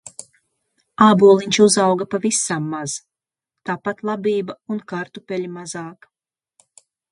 Āboliņš uzauga pavisam maz, tāpat labība un kartupeļi mazāk.